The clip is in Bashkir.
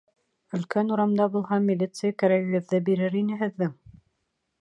— Өлкән урамда булһа, милиция кәрәгегеҙҙе бирер ине һеҙҙең.